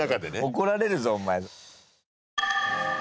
怒られるぞお前。